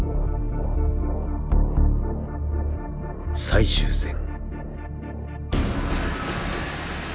最終戦。